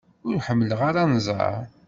Ur ḥemmleɣ ara anẓar.